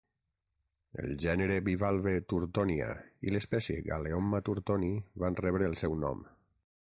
El gènere bivalve "Turtonia" i l'espècie "Galeomma turtoni" van rebre el seu nom.